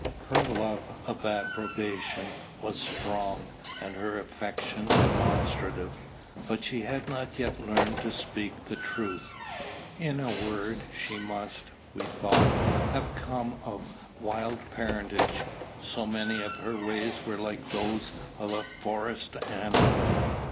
Her love of approbation was strong, and her affection demonstrative; but she had not yet learned to speak the truth. In a word, she must, we thought, have come of wild parentage, so many of her ways were like those of a forest animal.